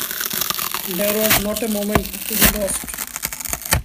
There was not a moment to be lost.